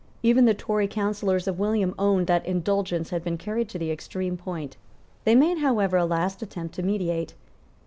Even the Tory counsellors of William owned that indulgence had been carried to the extreme point. They made, however, a last attempt to mediate.